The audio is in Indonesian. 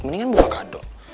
mendingan buka kado